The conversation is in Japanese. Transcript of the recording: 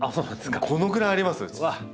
このぐらいありますうち。